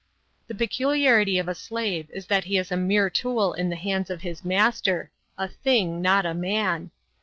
"The peculiarity of a slave is that he is a mere tool in the hands of his master, a thing, not a man.